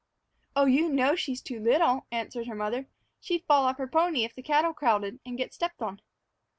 "Oh, you know she's too little," answered her mother; "she'd fall off her pony if the cattle crowded, and get stepped on."